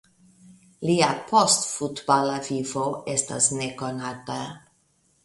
Lia postfutbala vivo estas nekonata.